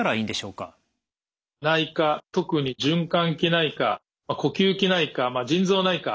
内科特に循環器内科呼吸器内科腎臓内科